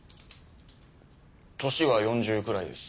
年は４０くらいです。